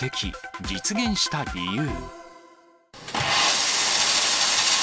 実現した理由。